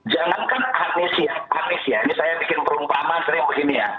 jangankan anies ya anies ya ini saya bikin perumpamaan sering begini ya